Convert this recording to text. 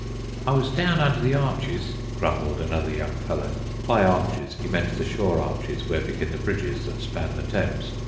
"I was down under the arches," grumbled another young fellow. By "arches" he meant the shore arches where begin the bridges that span the Thames.